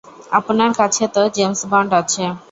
আপনার কাছে তো জেমস বন্ড আছে!